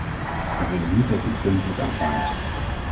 We willen niet dat dit punt wordt aanvaard.